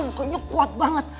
orangnya kuat banget